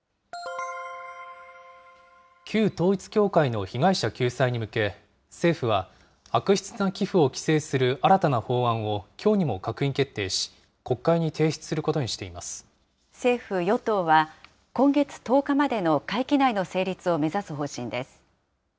旧統一教会の被害者救済に向け、政府は、悪質な寄付を規制する新たな法案をきょうにも閣議決定し、政府・与党は、今月１０日までの会期内の成立を目指す方針です。